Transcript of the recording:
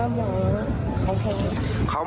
กินร่าเหมาเขามอ